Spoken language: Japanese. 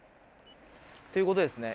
ということですね